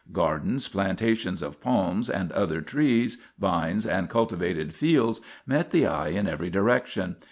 Gardens, plantations of palms and other trees, vines and culti vated fields met the eye in every direction.